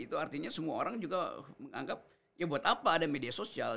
itu artinya semua orang juga menganggap ya buat apa ada media sosial